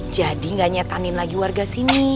jadi gak nyetanin lagi warga sini